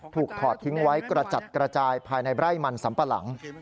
ถอดทิ้งไว้กระจัดกระจายภายในไร่มันสัมปะหลัง